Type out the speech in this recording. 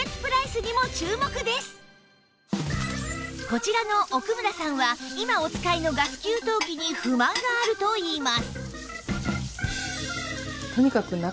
こちらの奥村さんは今お使いのガス給湯器に不満があるといいます